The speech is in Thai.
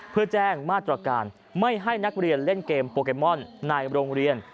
เพื่อแจ้งมาตรการไม่ให้นักเรียนเล่นเกมโปเกมอนในโรงเรียน